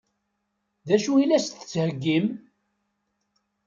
D acu i la s-d-tettheggim?